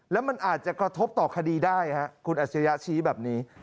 แล้วมันอาจจะกระทบต่อคดีได้คุณอัชริยะชี้แบบนี้